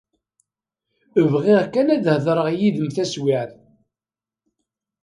Bɣiɣ kan ad hedreɣ yid-m taswiɛt.